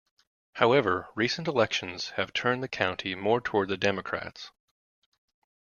However, recent elections have turned the county more toward the Democrats.